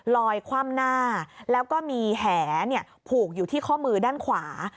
คว่ำหน้าแล้วก็มีแหผูกอยู่ที่ข้อมือด้านขวา